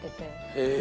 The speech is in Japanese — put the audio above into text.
へえ！